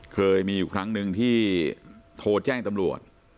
เคยมีอยู่ครั้งหนึ่งที่โทรแจ้งตำรวจ